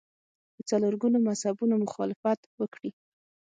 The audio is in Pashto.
له څلور ګونو مذهبونو مخالفت وکړي